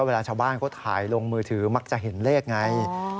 เวลาชาวบ้านเขาถ่ายลงมือถือมักจะเห็นเลขไง